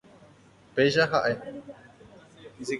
Péicha ha'e.